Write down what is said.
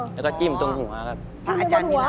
แล้วก็จิ้มตรงหัวข้างล่ะครับช่างเหลวไปหัว